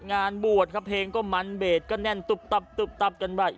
งานบวชครับเพลงก็มันเบสก็แน่นตุ๊บตับตุ๊บตับกันไป